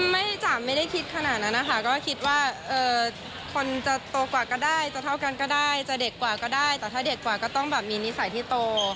ไม่จ้ะไม่ได้คิดขนาดนั้นนะคะก็คิดว่าคนจะโตกว่าก็ได้จะเท่ากันก็ได้จะเด็กกว่าก็ได้แต่ถ้าเด็กกว่าก็ต้องแบบมีนิสัยที่โต